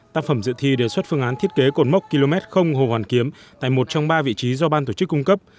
tạp phẩm dự thi đề xuất phương án thiết kế cột mốc km hồ hoàn kiếm tại một trong ba vị trí do ban tổ chức cung cấp